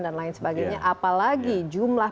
dan lain sebagainya apalagi jumlah